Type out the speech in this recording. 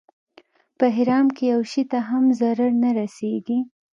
په احرام کې یو شي ته هم ضرر نه رسېږي.